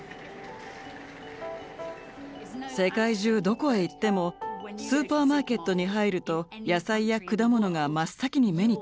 世界中どこへ行ってもスーパーマーケットに入ると野菜や果物が真っ先に目に飛び込んできます。